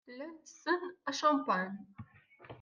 Llan ttessen acampan.